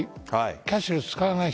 キャッシュレスを使わない人。